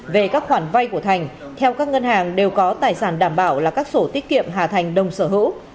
về các khoản vay của thành theo các ngân hàng đều có tài sản đảm bảo là các sổ tiết kiệm hà thành đông sở hữu